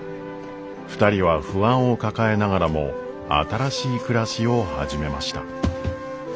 ２人は不安を抱えながらも新しい暮らしを始めました。